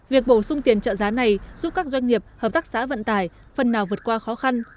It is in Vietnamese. việc bổ sung tiền trợ giá này giúp các doanh nghiệp hợp tác xã vận tải phần nào vượt qua khó khăn